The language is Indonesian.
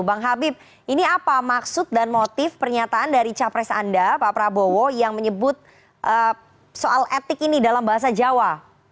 bang habib ini apa maksud dan motif pernyataan dari capres anda pak prabowo yang menyebut soal etik ini dalam bahasa jawa